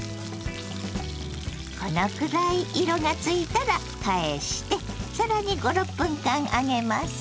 このくらい色がついたら返して更に５６分間揚げます。